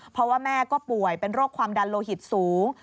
เพราะว่าแม่ก็ป่วยเป็นโรคความดันโลหิตสูง